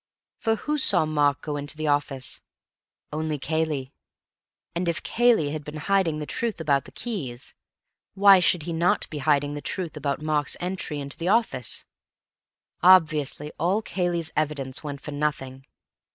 For who saw Mark go into the office? Only Cayley. And if Cayley had been hiding the truth about the keys, why should he not be hiding the truth about Mark's entry into the office? Obviously all Cayley's evidence went for nothing.